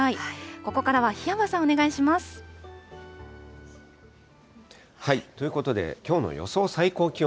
ここからは檜山さん、お願いしまということで、きょうの予想